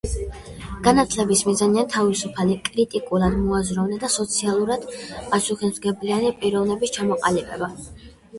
განათლების მიზანია თავისუფალი, კრიტიკულად მოაზროვნე და სოციალურად პასუხისმგებლიანი პიროვნების ჩამოყალიბება